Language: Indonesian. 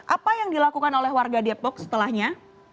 apa yang dilakukan oleh warga depok setelahnya